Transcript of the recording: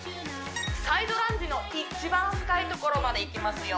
サイドランジの一番深いところまでいきますよ